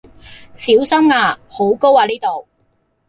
小心呀！好高呀呢度